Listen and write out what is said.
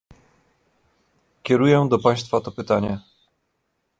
Kieruję do państwa to pytanie